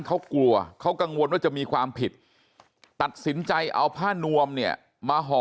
เขากลัวเขากังวลว่าจะมีความผิดตัดสินใจเอาผ้านวมเนี่ยมาห่อ